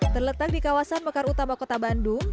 terletak di kawasan mekar utama kota bandung